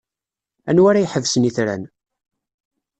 Anwa ara iḥesben itran?